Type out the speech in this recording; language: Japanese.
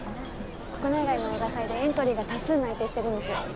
国内外の映画祭でエントリーが多数内定してるんです。